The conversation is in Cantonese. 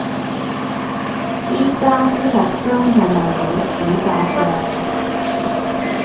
而家啲學生係咪冇暑假放